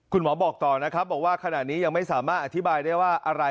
คุณหมอบอกต่อนะครับบอกว่าขณะนี้ยังไม่สามารถอธิบายได้ว่าอะไร